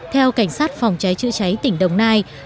theo cảnh sát phòng cháy chữa cháy tỉnh đồng nai